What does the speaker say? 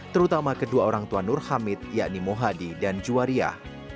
terutama kedua orang tua nur hamid yakni muhadi dan juwaria